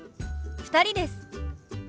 ２人です。